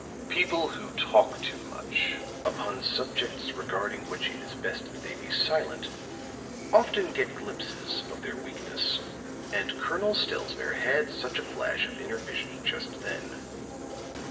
People who talk too much upon subjects regarding which it is best that they be silent often get glimpses of their weakness. And Colonel Stelzner had such a flash of inner vision just then.